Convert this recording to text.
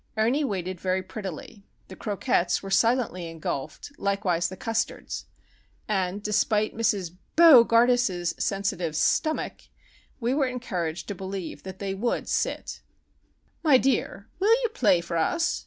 Ernie waited very prettily; the croquettes were silently engulfed, likewise the custards. And, despite Mrs. Bo gardus's sensitive "stummick," we were encouraged to believe that they would sit. "My dear, will you play for us?"